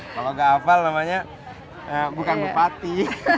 kalau enggak hava namanya bukan bupati